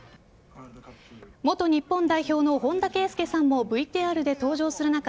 元日本代表の本田圭佑さんもＶＴＲで登場する中